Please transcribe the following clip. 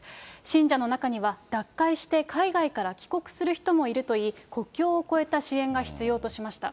信者の中には、脱会して海外から帰国する人もいるといい、国境を越えた支援が必要としました。